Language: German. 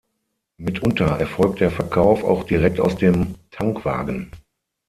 Mitunter erfolgt der Verkauf auch direkt aus dem Tankwagen.